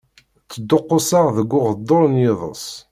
Ttduqquseɣ-d deg uɣeddur n yiḍes.